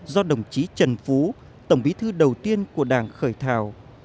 do đồng chí trần phú tổng bí thư đầu tiên của đảng khởi thảo